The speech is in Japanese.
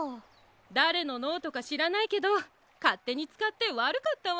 だれのノートかしらないけどかってにつかってわるかったわ。